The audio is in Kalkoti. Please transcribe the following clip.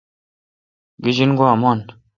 گیجن گوا من۔